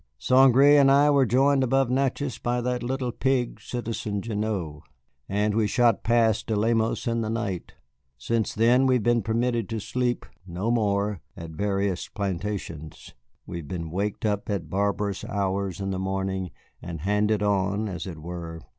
St. Gré and I were joined above Natchez by that little pig, Citizen Gignoux, and we shot past De Lemos in the night. Since then we have been permitted to sleep no more at various plantations. We have been waked up at barbarous hours in the morning and handed on, as it were.